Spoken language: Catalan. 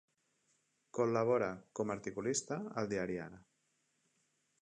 Col·labora com a articulista al diari Ara.